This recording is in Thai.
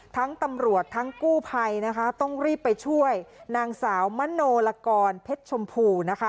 ตำรวจทั้งกู้ภัยนะคะต้องรีบไปช่วยนางสาวมโนลากรเพชรชมพูนะคะ